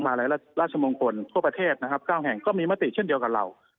มารัยราชมงคลทั่วประเทศ๙แห่งก็มีมติเช่นเดียวกับเรา